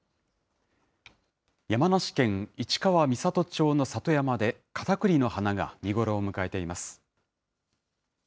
山梨県市川三郷町の里山で、カタクリの花が見頃を迎えています。